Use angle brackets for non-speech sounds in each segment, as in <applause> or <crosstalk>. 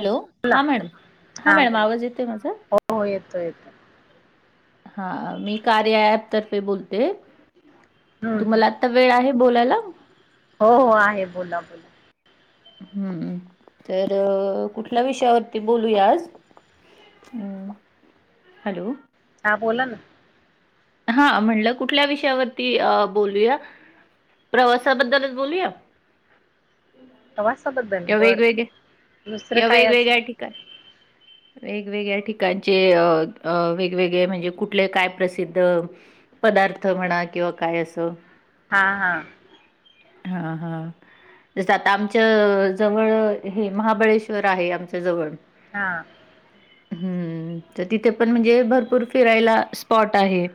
Hello बोला हा madam हा मॅडम आवाज येतोय माझा हो हो येतो येतो <unintelligible> हा मी कार्या अॅप तर्फे बोलते तुम्हाला आता वेळ आहे. बोलायला. हो-हो आहे बोला-बोला. हम्म तर कुठल्या विषया वरती बोलूया आज हॅलो. हा बोला ना. हा म्हटल कुठल्या विषया वरती बोलूया. प्रवासा बद्दल बोलूया. प्रवासाबद्दल बर दुसरं काय अस वेगवेगळ्या ठिकाणी वेगवेगळ्या ठिकाणचे वेगवेगळे म्हणजे कुठल काय प्रसिद्ध पदार्थ म्हणा किंवा काय असं. हा. हा हा. जस आता आमच्या जवळ हे महाबळेश्वर आहे आमच्या जवळ हा. हम्म तिथे पण म्हणजे भरपूर फिरायला स्पॉट आहेत.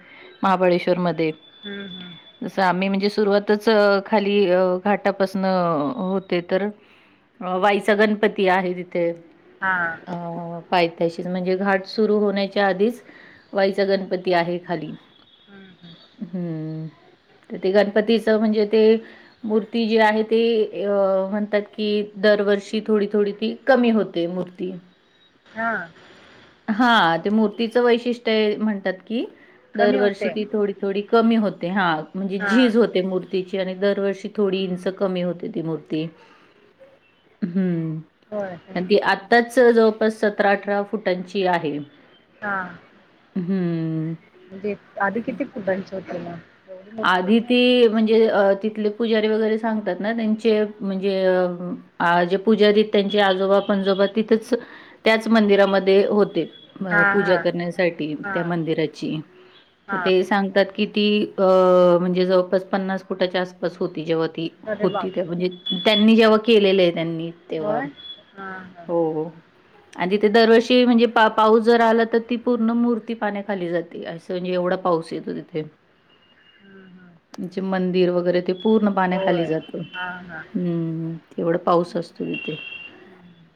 महाबळेश्वर मध्ये हम्म हम्म. सुरुवातच खाली घाटापासून होते तर अ वाईचा गणपती आहे तिथे. हा पायथ्याशीच म्हणजे घाट सुरु होण्याच्या आधीच वाईचा गणपती आहे खाली हम्म हम्म हम्म. ते गणपतीच म्हणजे ते मूर्ती जे आहे ते अ म्हणतात की दरवर्षी थोडी-थोडी ती कमी होते मूर्ती हा. हा ते मूर्तीचं वैशिष्ट्य म्हणतात की कमी होते दरवर्षी ती थोडी- थोडी कमी होते हा म्हणजे हा झीज होते मूर्तीची, दरवर्षी थोडी इंच कमी होते ती मूर्ती, हम होय होय. आणि ती आत्ताच जवळपास सतरा-अठरा फुटांची आहे. हा! हम्म! आधी किती फुटांचे होते मग? एवढी मोठी आधी होती ती म्हणजे तिथले पुजारी वगैरे सांगतात ना त्यांचे म्हणजेे जे पुजारी त्यांचे आजोबा पंजोबा तिथच त्याच मंदिरामध्ये होते. हा पूजा हा करण्यासाठी, हा त्या मंदिराची, हा ती सांगतात किती. अ म्हणजे जवळपास पन्नास फुटाच्या आसपास होती, जेव्हा, ती अरे होती, तेव्हा बापरे म्हणजे, ती होती, त्यात त्यांनी जेव्हा केलेलं आहे, त्यांनी तेव्हा, होय हा हा हो हो आणि तिथे दरवर्षी म्हणजे पा पाऊस जर आला तर ती पूर्ण मूर्ती पाण्या खाली जाते असं म्हणजे, एवढा पाऊस येतो तथे, हम्म हम्म म्हे मंदिर वगैरे ते, पूर्ण पाण्याखाली होय जातो. हा हा हम्म तेवढा पाऊस असतो तिथे, हम्म.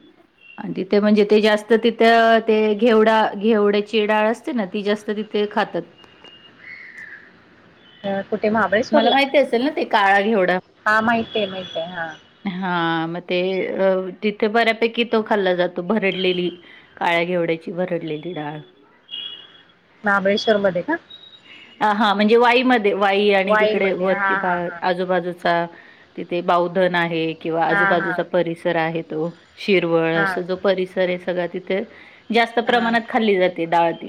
आणि तिथे म्हणजे ते जास्त तिथं ते घेवडा घेवड्याची डाळ असते ना! ती जास्त ति, ते खातात, ह, मला माहिती असेल ना! ते काळा घेवढा, हा माहिती आहे माहिती आहे हा हा.. मग ते तिथे बऱ्यापैकी तो खाल्ला जातो. भरडलेली, काळ्या घेवड्याची भरडलेली, लीडाळ, महाबळेश्वर मध्ये का, हा म्हणजे, वाईमध्ये वाई आणि वाई तिकडे मध्ये वरती हा बा हा आजूबाजूचा तिथे बाौधन आहे. किंवा हा आजूबाजूचा परिसर आहे तो, शिरवळ हा हा हा असा जो परिसर आहे. सगळ तिथे जास्त हा प्रमाणात खाल्ली जाते डाळ. ती.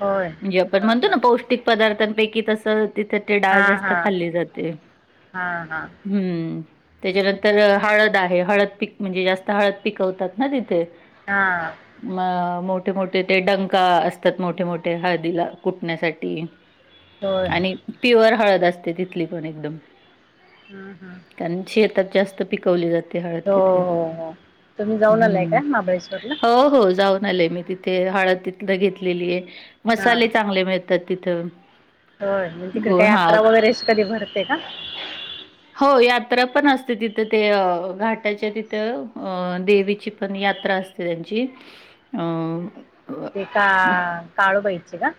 होय म्हणजे, आपण हा म्हणतो हा ना! पौष्टिक पदार्थांपैकी तस, तर ते डाळ हा जास्त हा खाल्ली जाते. हा हा हम्म! त्याच्यानंतर हळद आहे, हळद पीक म्हणजे जास्त हळद पिकवतात ना तिथे. हा म, मो मोठे- मोठे, ते, डंका असतात. मोठे- मोठे हळदीला कुटण्यासाठी, हो, आणि प्युअर हळद असते. तिथली पण एकदम हा हा तर, जास्त पिकवले जातात. हळद तिथे, हो हो तुम्ही जाऊन आलाय का महाबळेश्वरला हो हो जाऊ, म्हले मी तिथे हळद तिथ घेतलेली आहे, हा मसाले चांगले मिळतात तिथं, होय म तिकड गो काय हां. यात्रा वगैरे कधी भरते का? हो यात्रा पण असते तिथ ते, घाटाच्या तिथं देवीची पण यात्रा असते त्यांची, अ. ते का काळूबाईचे का?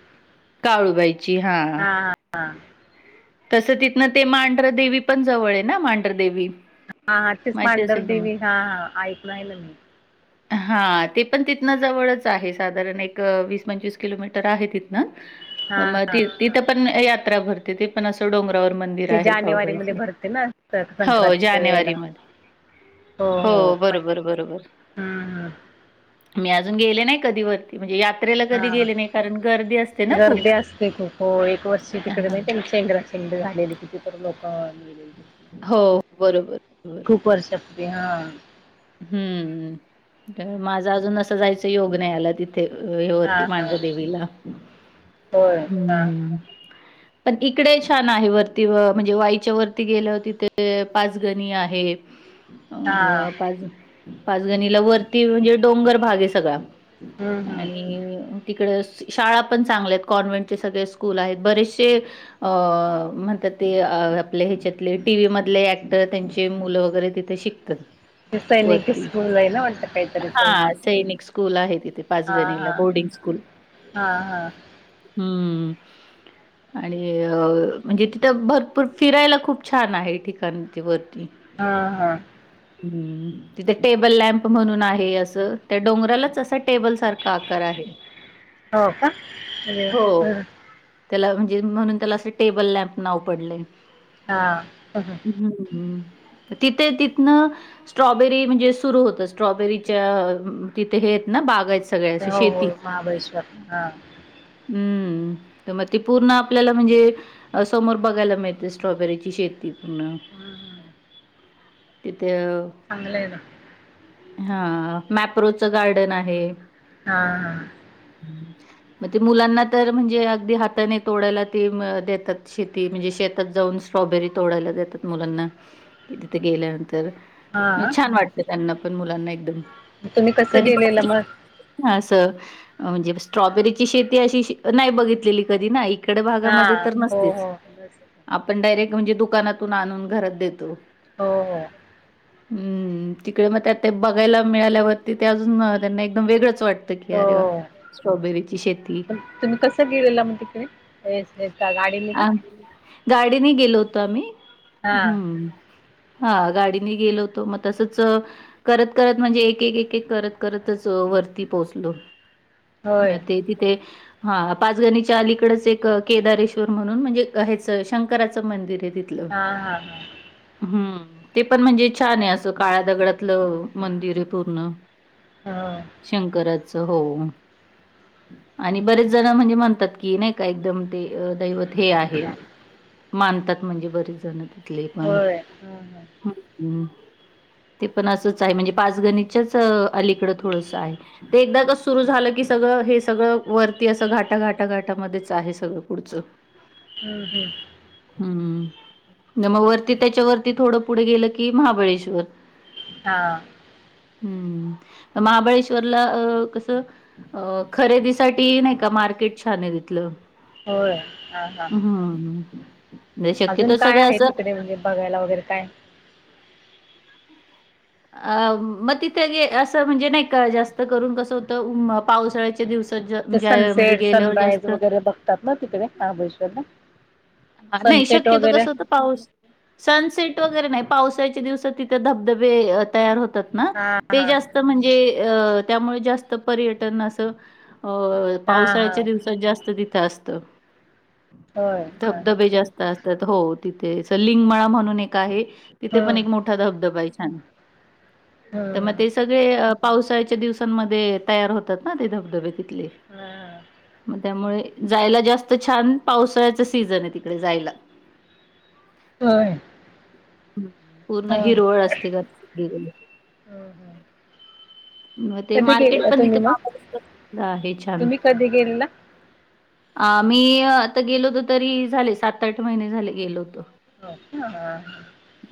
काळूबाई. हा हा हा. तसं तिथनं ते मांढरदेवी पण जवळ आहे ना? मांढरदेवी, हा हा तेच, माहिती पांढर असेल तुम्हा देवी, हा, हा, ऐक नाहीलं मी, हा, ते पण तिथन जवळच आहे. साधारण, एक वीस पंचवीस किलोमीटर आहे. तिथनं, हा मग, हा त तिथं पण यात्रा भरते. ती, पण, असं डोंगर, मंदिर ते आहे. खळ, जानेवारीमध्ये भरते ना हो संक्रांतीच्या जानेवारी वेळेला हो, बरोबर, बरोबर, हम्म मी, अजून गेले नाही, कधी वरती, म्हणजे यात्रेला कधी हा गेले नाही कारण गर्दी असते ना खूप. गर्दी असते, खू ख एक वर्षी, तिकडे, हां. म त्यांच्या, ंग्रिंगड झालेली, किती, तर, लोक, मेलेली हो, बरोबर, बर, बिहाां.. हम्म, माझा अजून असं, जायचं योग नाही, आला तिथ, हा तेवती, हा मांढ्र देेवीला, होय हा हम्म.. पण, इकडे छान आहे. वरती, व म्हणजे, वाईच्या, वरती गेलं, तिथे पाचगणी आहे. अ, हा पाच पाचगणीला वरती, म्हणजे, डोंगर भाग आहे. सगळा, हम्म हम्म आणि तिकडे शाळा पण चांगल्या आहेत कॉन्व्हेंटचे सगळे स्कूल आहेत बरेचशे अ म्हण ते आपल्या ह्याच्यातले टीव्ही मधले ऍक्टर त्यांचे मुलं वगैरे तिथे शिकतात ते सैनिक वरती स्कूल आहे ना वाटतं काहीतरी हा सैनिक स्कूल आहे तिथे हा पाचगणीला हा बोर्डिंग स्कूल हा हा हम्म आणि अ म्हणजे तिथं भरपूर फिरायला खूप छान आहे ठिकाण वरती हा हा ह् तिथे टेबल लॅम्प म्हणून आहे असं त्या डोंगरालाच असा टेबल सारखा आकार आहे हो का अरे हो वा. त्याला म्हणजे म्हणून त्याला असं टेबल लॅम्प नाव पडले हा तिथे तिथन स्ट्रॉ सॉबेरी म्हणजे सुरु होत स्ट्रॉबेरीच्या तिथे हे आहेत ना बागायचं सगळ्या हो हो शेती महाबळेश्वर हा हम्म तर मग ते पूर्ण आपल्याला म्हणजे समोर बघायला मिळते स्ट्रॉबेरीची शेती प हम्म तिथ लाय ना हा मॅप्रोचं गार्डन आहे हा हा मग ते मुलांना तर म्हणजे अगदी हाताने तोडायला ते देतात शेती म्हणजे शेतात जाऊन स्ट्रॉबेरी तोडायला देतात मुलांना कि तिथे गेल्यानंतर हा हा छान वाटतं त्यांना पण मुलांना एकदम तुम्ही कसं कधी प गेलेलं मग? असं म्हणजे स्ट्रॉबेरीची शेती अशी नाही बघितलेली कधी ना इकडे भागामध्ये हा. तर हो नसतेच हो. बस. आपण डायरेक्ट म्हणजे दुकानातून आणून घरात देतो हो हो हम्म तिकडे मग त्या ते बघायला मिळाल्यावरती ते अजून त्यांना एकदम वेगळंच वाटतं त क आर वा हो. स्ट्रॉबेरीची शेती पण तुम्ही कसं गेलेला मग तिकडे? हेच हेच का गाडीने का? अ गाडीने गेलो होतो आम्ही हा हम्म हा गाडी गेलो होतो मग तसच करत करत म्हणजे एक एक करत करत वरती पोहचलो होय ते तिथे पाचगणीच्या अलीकडे म्हणून म्हणजे हच शंकराच मंदिर आहे तिथल हा हा हा. ह ते पण म्हणजे छान आहे असं काळ्या दगडातलं मंदिर आहे पूर्ण ह शंकरच हो आणि बरेच जण म्हणजे म्हणतात की नाही का एकदम ते दैवत हे आहे मानतात म्हणजे बरेच जण ते ली पण होय. हम्म हम्म हम् ते पण असंच आहे म्हणजे पाच गणितच्याच अलीकडं थोडस आहे ते एकदा क सुरु झालं की सगळं हे सगळं वरती असं घाटा घाटाघाटामध्येच आहे सगळं पुढचं हम्म हम्म हम्म मग वरती त्याच्या वरती थोडं पुढे गेलं की महाबळेश्वर हा हम् महाबळेश्वरला कसं अ खरेदीसाठी नाही का म किट छानलं तिथल होय हा हा. हम अजून काय आहे तिकडे म्हणजे बघायला वगैरे काय अ मग तिथे असं म्हणजे नाही का जास्त करून कसं होतं पावसाळ्याच्या दिवस सनसेट सनराईज वगैरे बघतात ना तिकडे महाबळेश्वरला हा नाही सनसेट शक्यतो वगैरे कसं तर पाऊस सनसेट वगैरे नाही पावसाच्या दिवसात तिथ धबधबे तयार होतात ना हा ते हा जास्त म्हणजे त्यामुळे जास्त पर्यटन असं अ हा हा पावसाळ्याच्या दिवसात जास्त सस्त होय हा हा. धबधबे जास्त असतात हो तिथे स लिंगमळा म्हणून एक आहे तिथे पण हम्म एक मोठा धबधबा आहे छान तर मग हम्म ते सगळे पावसाळच्या दिवसांमध्ये तयार होतात ना ते धबधबे तिथले हा. मग त्यामुळे जायला जास्त छान पावसाळ्याच सीझन आहे तिकडे जायला होय ह ह पूर्ण हिरवळ असते का ह मग ते कधी मार्केट गेलेला पण तुम्ही तिथे मग मा हे छान तुम्ही कधी गेलेला? आ मी आता गेलो होतो तरी झाले सात आठ महिने झाले गेलो होतो हो का हा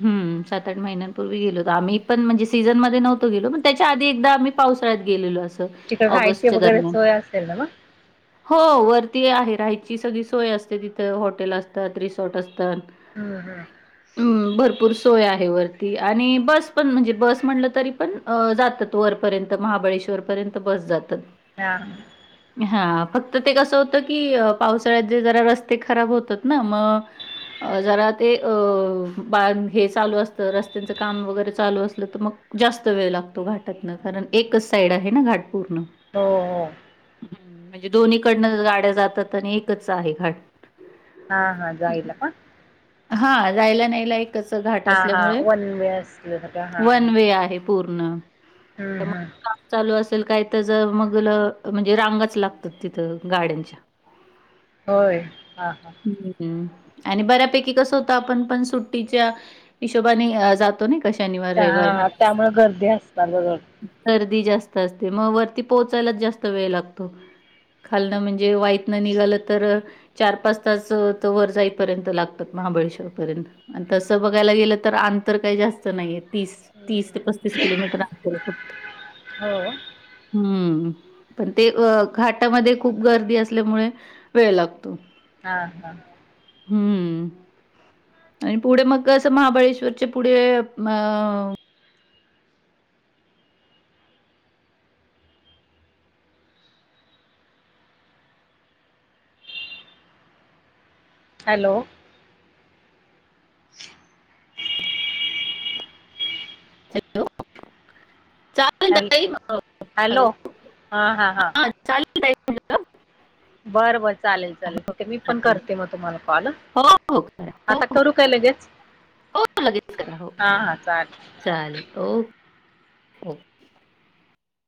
हम्म सात आठ महिन्यांपूर्वी गेलो तर आम्हीणजे सीझनमध्ये नव्हतो गलोण त्याच्या आधी एकदा आम्ही पावसाळ्यात गेलेलो असं तिकडे राहायची ऑगस्टच्या वगैरे दरम्यान सोय असेल ना मग? हो वरती आहे राहायची सगळी सोय असते तिथे हॉटेल असतात रिसॉर्ट असतात हम्म हम्म भरपूर सोय आहे वरती आणि बस पण म्हणजे बस म्हटलं तरी पण जात वरपर्यंत महाबळेश्वर पर्यंत बस जातात हा हा फक्त ते कसं होत की पावसाळ्याचे जरा रस्ते खराब होतात ना मग अ जरा ते अ बा हे चालू असतं रस्त्यांचं काम वगैरे चालू असलं तर मग जास्त वेळ लागतो घाटातन कारण एकच साईड आहे ना घाट पूर्ण. हो हो हं. म्हणजे दोन्हीकडनं गाड्या जातात आणि एकच आहे घट हा हा जाहिलापा हा जायला नाहीला एक घाट हा असल्यामुळे वन वे असल्यासारखं हा वन वे आहे पूर्ण हम्म हम्म ती काय म्हणजे रांगच लागतात तिथं गाड्याच्या होय हा हा आणि बऱ्यापैकी कसं होतं आपण पण सुट्टीच्या हिशोबाने जातो ना त्यामुळे गर्दी असणार ग जर कधी जास्त असते मग वरती पोहोचायला जास्त वेळ लागतो खालन म्हणजे निघालं तर चार पाच तास वर जाईपर्यंत लागतात महाबळेश्वर पर्यंत आणि तसं बघायला गेलं तर आठ ंतर काही जास्त नाही तीस तीस हम्म ते पस्तीस किलोमीटर फक्त हो हम्म हम् पण ते घाटामध्ये खूप गर्दी असल्यामुळे वेळ लागतो हा हा हम्म आणि पुढे मग असं महाबळेश्वरचे पुढे अ हॅलो हॅलो <inaudible> चालेल हॅल तई हॅलो हा चालेल तई <unintelligible> <inaudible> बरं बर चालेल चालेल ठीके मी पण चालेल. करते मग तुम्हाला कॉल हो, हो. करा. <unintelligible> हो, आता हो. करू काय लगेच हो, लगेच करा. हो, हा हो. हा चालेल <inaudible> <unintelligible> चालेल ओ <unintelligible> <inaudible>